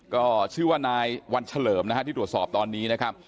ก็ชื่อว่านายวันเฉลิมนะฮะที่ตรวจสอบตอนนี้นะครับ